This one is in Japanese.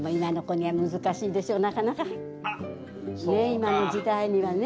今の時代にはね。